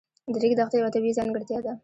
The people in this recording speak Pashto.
د ریګ دښتې یوه طبیعي ځانګړتیا ده.